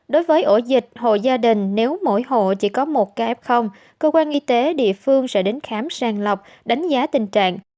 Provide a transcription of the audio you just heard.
đối với ổ dịch hộ gia đình nếu mỗi hộ chỉ có một kf cơ quan y tế địa phương sẽ đến khám sang lọc đánh giá tình trạng